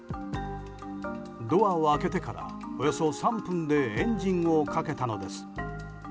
ドアを開けてから、およそ３分でエンジンをかけたのです。